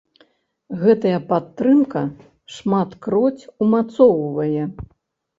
Гэтая падтрымка шматкроць умацоўвае.